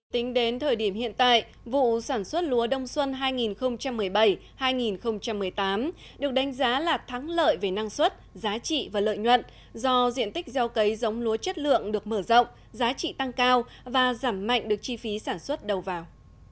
tính đến thời điểm hiện tại vụ sản xuất lúa đông xuân hai nghìn một mươi bảy hai nghìn một mươi tám được đánh giá là thắng lợi về năng suất giá trị và lợi nhuận do diện tích gieo cấy giống lúa chất lượng được mở rộng giá trị tăng cao và giảm mạnh được chi phí sản xuất đầu vào